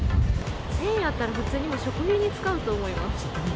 １０００円あったら、普通に食費に使うと思います。